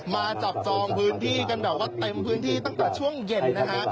มาจับจองพื้นที่กันแบบว่าเต็มพื้นที่ตั้งแต่ช่วงเย็นนะฮะ